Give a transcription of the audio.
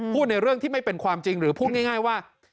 ในเรื่องที่ไม่เป็นความจริงหรือพูดง่ายว่า